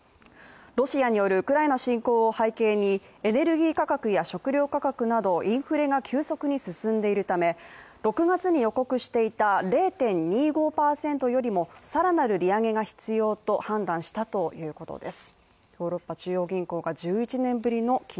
ロシアによるウクライナ侵攻を背景にエネルギー価格や食料価格などインフレが急速に進んでいるため６月に予告していた０．２５％よりも更なる利上げが必要と判断したということです。